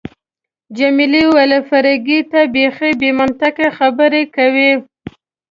جميلې وويل: فرګي، ته بیخي بې منطقه خبرې کوي.